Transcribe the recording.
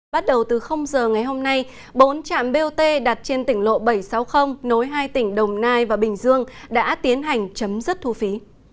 bắt đầu từ giờ ngày hôm nay bốn trạm bot đặt trên tỉnh lộ bảy trăm sáu mươi nối hai tỉnh đồng nai và bình dương đã tiến hành chấm dứt thu phí